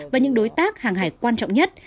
và những đối tác hàng hải quan trọng nhất